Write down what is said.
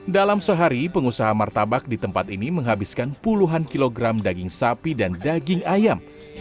dalam sehari pengusaha martabak di tempat ini menghabiskan puluhan kilogram daging sapi dan daging ayam